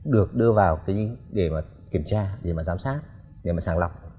được đưa vào để mà kiểm tra để mà giám sát để mà sàng lọc